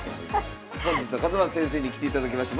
本日は勝又先生に来ていただきました。